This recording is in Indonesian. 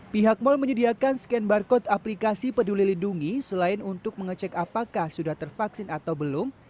pihak mal menyediakan scan barcode aplikasi peduli lindungi selain untuk mengecek apakah sudah tervaksin atau belum